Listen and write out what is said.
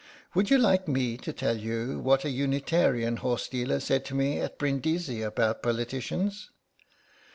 Would you like me to tell you what a Unitarian horsedealer said to me at Brindisi about politicians?"